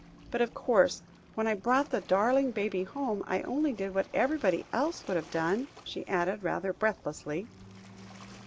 But, of course, when I brought the darling baby home, I only did what everybody else would have done," she added, rather breathlessly.